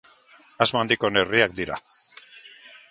Asmo handiko neurriak dira.